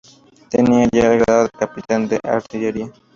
Tenía ya el grado de capitán de artillería.